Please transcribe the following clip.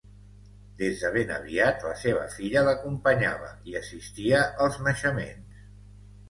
Des de ben aviat la seva filla l'acompanyava i assistia als naixements.